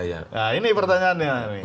nah ini pertanyaannya